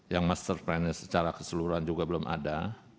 yang master plan nya secara keseluruhan juga belum ada